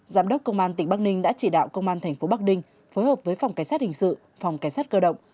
giám đốc công an tỉnh bắc ninh đã chỉ đạo công an tp bắc ninh phối hợp với phòng cảnh sát hình sự phòng cảnh sát cơ động